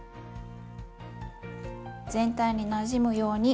全体になじむように混ぜます。